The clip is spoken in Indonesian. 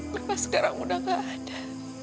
kenapa sekarang udah gak ada